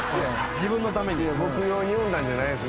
自分のために僕用に呼んだんじゃないです